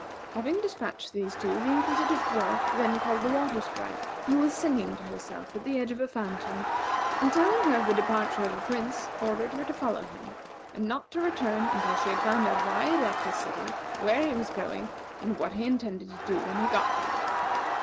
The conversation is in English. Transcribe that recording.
Having despatched these two, the Inquisitive Dwarf then called the Water Sprite, who was singing to herself at the edge of a fountain, and telling her of the departure of the Prince, ordered her to follow him, and not to return until she had found out why he left his city, where he was going, and what he intended to do when he got there.